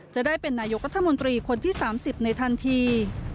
จะได้เป็นนายกรัฐมนตรีคนที่๓๐ในทันที